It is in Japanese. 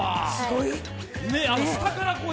下から。